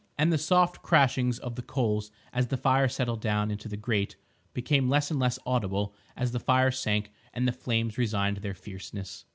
And the soft crashings of the coals as the fire settled down into the grate became less and less audible as the fire sank and the flames resigned their fierceness.